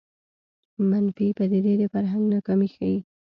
منفي پدیدې د فرهنګ ناکامي ښيي